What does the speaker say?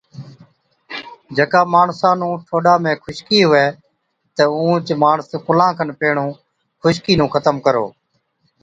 جڪا ماڻسا نُون ٺوڏا ۾ خُشڪِي هُوَي تہ اُونهچ ماڻس ڪُلان کن پيهڻُون خُشڪِي نُون ختم ڪرو۔